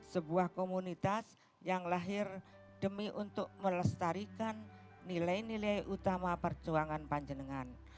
sebuah komunitas yang lahir demi untuk melestarikan nilai nilai utama perjuangan panjenengan